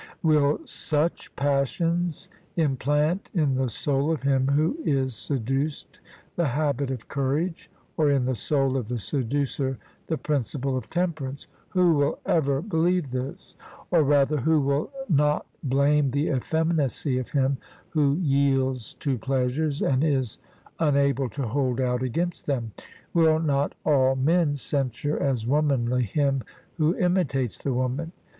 Will such passions implant in the soul of him who is seduced the habit of courage, or in the soul of the seducer the principle of temperance? Who will ever believe this? or rather, who will not blame the effeminacy of him who yields to pleasures and is unable to hold out against them? Will not all men censure as womanly him who imitates the woman?